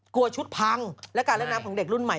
ชุดพังและการเล่นน้ำของเด็กรุ่นใหม่